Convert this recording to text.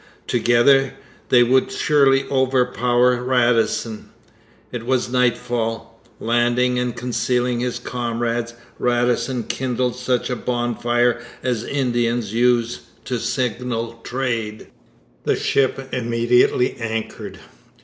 Together, they would surely overpower Radisson. It was nightfall. Landing and concealing his comrades, Radisson kindled such a bonfire as Indians used to signal trade. The ship immediately anchored.